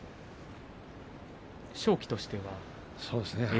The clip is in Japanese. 勝機としては。